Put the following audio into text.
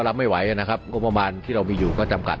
รับไม่ไหวว่านะครับมีมีอยู่ก็จำกัด